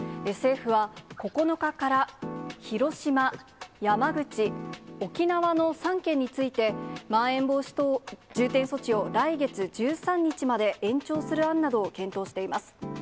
政府は、９日から広島、山口、沖縄の３県について、まん延防止等重点措置を、来月１３日まで延長する案などを検討しています。